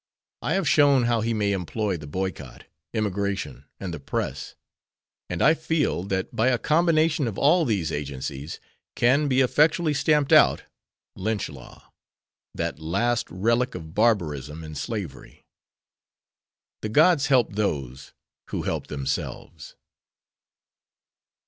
I have shown how he may employ the boycott, emigration and the press, and I feel that by a combination of all these agencies can be effectually stamped out lynch law, that last relic of barbarism and slavery. "The gods help those who help themselves."